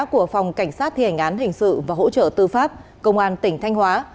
của phòng cảnh sát thi hành án hình sự và hỗ trợ tư pháp công an tỉnh thanh hóa